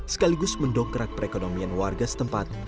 sekaligus mendongkrak perekonomian warga setempat